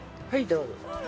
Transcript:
はい。